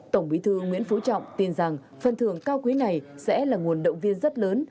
tổng bí thư nguyễn phú trọng tin rằng phần thưởng cao quý này sẽ là nguồn động viên rất lớn